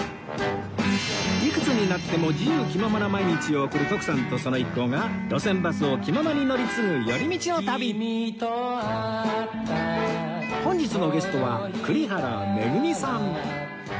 いくつになっても自由気ままな毎日を送る徳さんとその一行が路線バスを気ままに乗り継ぐ寄り道の旅本日のゲストは栗原恵さん